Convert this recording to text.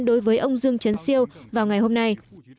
đối với ông dương chấn siêu vào ngày hôm nay